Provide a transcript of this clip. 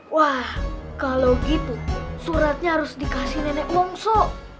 wah kalau gitu suratnya harus dikasih nenek mongso